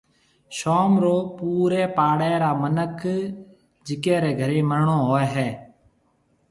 شوم رو پوريَ پاڙيَ را منک جڪي ري گهري مرڻو هوئيَ هيَ